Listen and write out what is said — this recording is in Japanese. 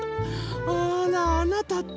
あらあなたったら。